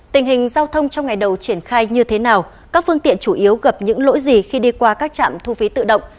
tình hình giao thông trong ngày đầu triển khai như thế nào các phương tiện chủ yếu gặp những lỗi gì khi đi qua các trạm thu phí tự động